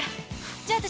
じゃあね。